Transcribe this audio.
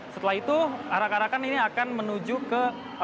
setelah itu arak arakan ini akan menuju ke